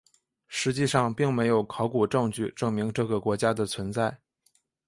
实际上并没有考古证据证明这个国家的存在。